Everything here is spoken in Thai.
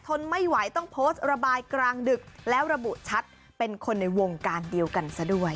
ทนไม่ไหวต้องโพสต์ระบายกลางดึกแล้วระบุชัดเป็นคนในวงการเดียวกันซะด้วย